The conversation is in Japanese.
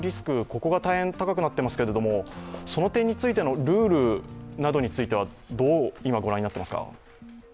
ここが大変高くなっていますけれども、その点についてのルールなどについてはどう御覧になっていますか？